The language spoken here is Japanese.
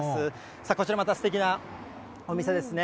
さあこちら、また、すてきなお店ですね。